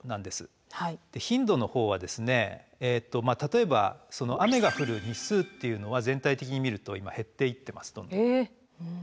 頻度の方は例えば雨が降る日数っていうのは全体的に見ると今減っていってますどんどん。